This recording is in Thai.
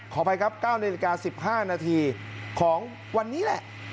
ขออภัยครับ๙นาฬิกา๑๕นาทีของวันนี้แหละ